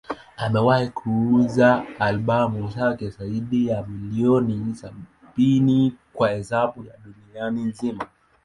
Amewahi kuuza albamu zake zaidi ya milioni sabini kwa hesabu ya dunia nzima.